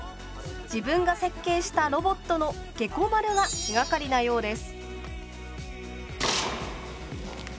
自分が設計したロボットのゲコ丸が気がかりなようです。